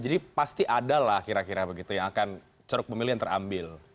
jadi pasti adalah kira kira begitu yang akan ceruk pemilihan terambil